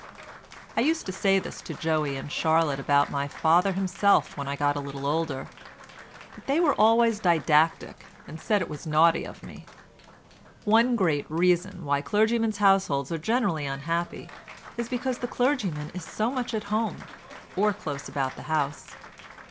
I used to say this to Joey and Charlotte about my father himself when I got a little older, but they were always didactic, and said it was naughty of me. "One great reason why clergymen's households are generally unhappy is because the clergyman is so much at home or close about the house.